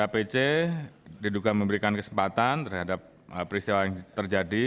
kpc diduga memberikan kesempatan terhadap peristiwa yang terjadi